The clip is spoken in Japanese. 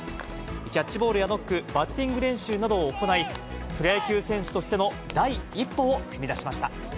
キャッチボールやノック、バッティング練習などを行い、プロ野球選手としての第一歩を踏み出しました。